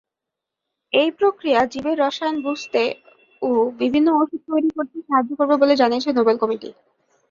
এই প্রক্রিয়া জীবের রসায়ন বুঝতে ও বিভিন্ন ওষুধ তৈরি করতে সাহায্য করবে বলে জানিয়েছে নোবেল কমিটি।